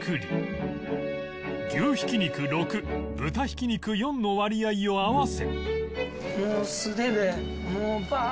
牛ひき肉６豚ひき肉４の割合を合わせ